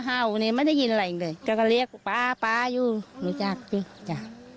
ก็ห่าวนี่ไม่ได้ยินอะไรจริงก็เรียกป๊าอยู่หนูจากเลยจะ